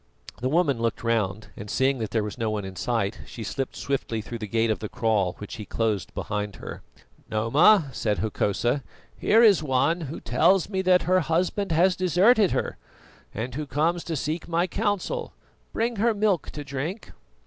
The woman looked round, and seeing that there was no one in sight, she slipped swiftly through the gate of the kraal, which he closed behind her. "Noma," said Hokosa, "here is one who tells me that her husband has deserted her, and who comes to seek my counsel. Bring her milk to drink."